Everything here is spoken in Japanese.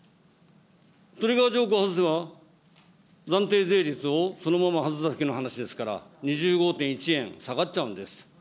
トリガー条項を外せば暫定税率をそのまま外すだけの話ですから、２５．１円下がっちゃうんです。